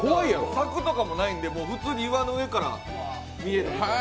柵とかもないんで普通に岩の上から見える。